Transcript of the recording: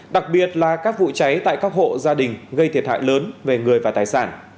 đặc biệt là các vụ cháy tại các hộ gia đình gây thiệt hại lớn về người và tài sản